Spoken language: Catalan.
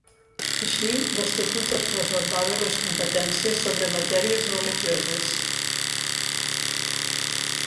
Així l'Estatut es reservava les competències sobre matèries religioses.